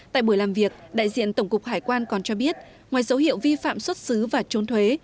tại buổi làm việc đại diện tổng cục hải quan còn cho biết ngoài dấu hiệu vi phạm xuất xứ và trốn thuế